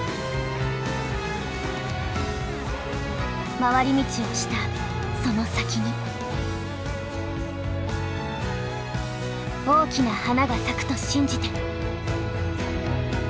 まわり道をしたその先に大きな花が咲くと信じて。